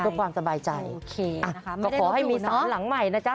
เพื่อความสบายใจโอเคก็ขอให้มีสามหลังใหม่นะจ๊ะ